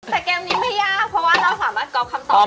แต่เกมนี้ไม่ยากเพราะว่าเราสามารถก๊อฟคำตอบ